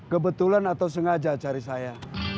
kebetulan atau sengaja cari saya